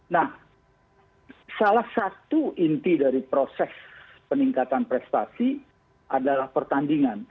nah salah satu inti dari proses peningkatan prestasi adalah pertandingan